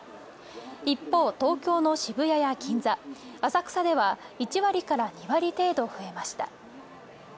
一方、東京の渋谷や銀座、浅草では１割２割程度増えました。